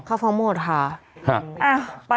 เขาฟ้องหมดค่ะ